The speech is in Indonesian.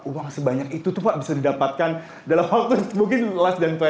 uang sebanyak itu tuh pak bisa didapatkan dalam waktu mungkin lebih dari dua puluh tahun